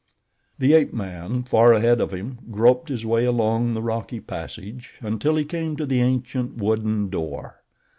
The ape man, far ahead of him, groped his way along the rocky passage, until he came to the ancient wooden door.